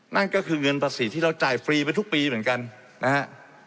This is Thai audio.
นั่นก็คือเงินภาษีที่เราจ่ายฟรีไปทุกปีเหมือนกันนะฮะ